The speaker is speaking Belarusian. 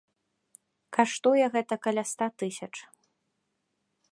Каштуе гэта каля ста тысяч.